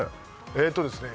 えっとですね